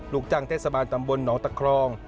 ลูกจังเต้นสะบานจำบนหนองตะครอง